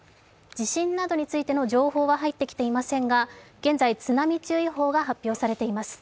地震などについての情報は入ってきていませんが現在、津波注意報が発表されています。